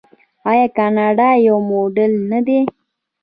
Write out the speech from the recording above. آیا کاناډا یو موډل نه دی؟